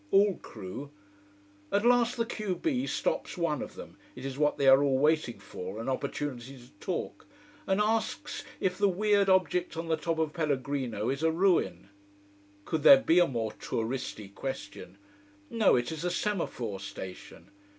All crew. At last the q b stops one of them it is what they are all waiting for, an opportunity to talk and asks if the weird object on the top of Pellegrino is a ruin. Could there be a more touristy question! No, it is the semaphore station.